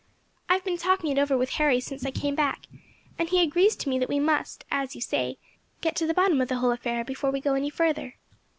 I have been talking it over with Harry since I came back, and he agrees with me that we must, as you say, get to the bottom of the whole affair before we go any further.